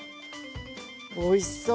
おいしそう。